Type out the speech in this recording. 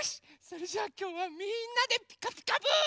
それじゃあきょうはみんなで「ピカピカブ！」。